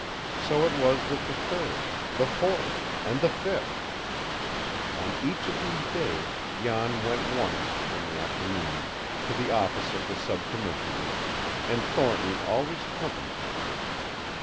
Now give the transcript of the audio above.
So it was with the third, the fourth, and the fifth. On each of these days Jan went once, in the afternoon, to the office of the sub commissioner, and Thornton always accompanied him.